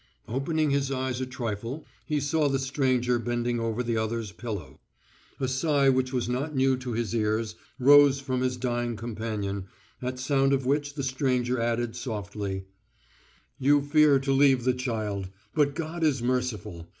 Opening his eyes a trifle, he saw the stranger bending over the other's pillow. A sigh which was not new to his ears rose from his dying companion, at sound of which the stranger added softly: "You fear to leave the child, but God is merciful.